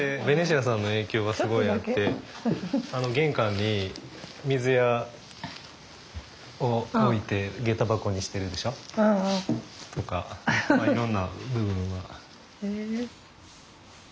ベニシアさんの影響がすごいあってあの玄関に水屋を置いてげた箱にしてるでしょ。とかいろんな部分は。